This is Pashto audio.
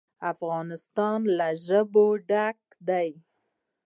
افغانستان له ژبې ډک دی.